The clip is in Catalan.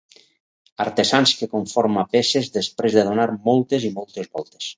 Artesans que conforma peces després de donar moltes i moltes voltes.